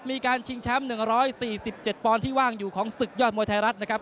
มีการชิงแชมป์๑๔๗ปอนด์ที่ว่างอยู่ของศึกยอดมวยไทยรัฐนะครับ